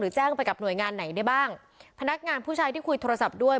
แจ้งไปกับหน่วยงานไหนได้บ้างพนักงานผู้ชายที่คุยโทรศัพท์ด้วย